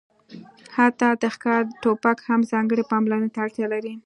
حتی د ښکار ټوپک هم ځانګړې پاملرنې ته اړتیا لري